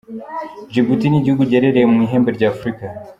Djibouti ni igihugu giherereye mu ihembe rya Afurika.